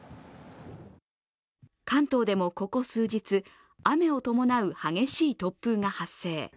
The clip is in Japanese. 関東でもここ数日、雨を伴う激しい突風が発生。